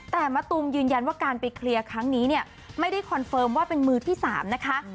แต่มะตูมยืนยันว่าการไปเคลียร์ครั้งนี้เนี่ยไม่ได้คอนเฟิร์มว่าเป็นมือที่๓นะคะ